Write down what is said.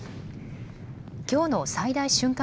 きょうの最大瞬間